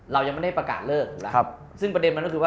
เรายังไม่ได้ประกาศเลิก